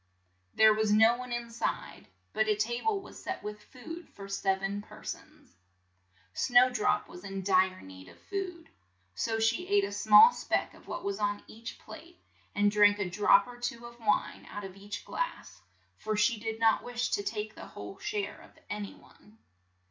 There was no one in side, but a ta ble was set with food for sev en per sons. Snow drop was in dire need of food, so she ate a small speck of what was on each plate, and drank a drop or two of wine out of each glass, for she did not wish to take the whole share of an y one.